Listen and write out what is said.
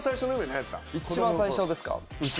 一番最初ですか？